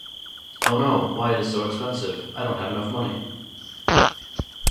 Oh no, why is so expensive? I don't have enough money.